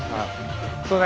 そうね